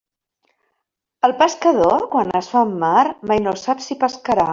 El pescador quan es fa en mar mai no sap si pescarà.